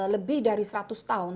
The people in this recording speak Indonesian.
lebih dari seratus tahun